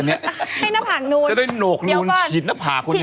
จะได้โนกหนูนฉีดหน้าผาก